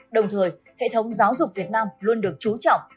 đồng thời hệ thống giáo dục việt nam luôn được trú trọng